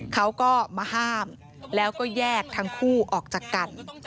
เขาก็มาห้ามแล้วก็แยกทั้งคู่ออกจากกัน